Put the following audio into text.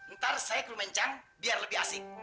ntar saya ke lu mencang biar lebih asik